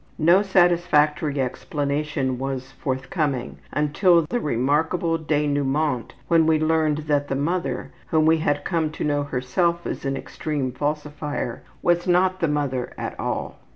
No satisfactory explanation was forthcoming until the remarkable denouement when we learned that the mother, whom we had come to know herself as an extreme falsifier, was not the mother at all.